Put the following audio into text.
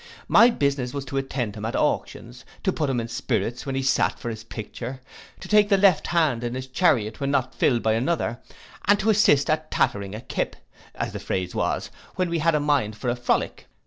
My business was to attend him at auctions, to put him in spirits when he sate for his picture, to take the left hand in his chariot when not filled by another, and to assist at tattering a kip, as the phrase was, when we had a mind for a frolic.